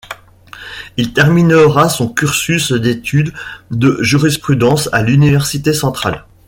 Il terminera son cursus d'études de jurisprudence à l'université centrale.